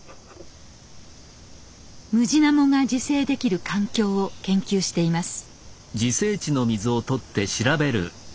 ムジナモが自生できる環境を研究しています。